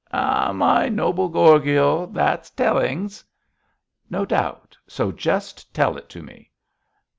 'Ah, my noble Gorgio, that's tellings!' 'No doubt, so just tell it to me.'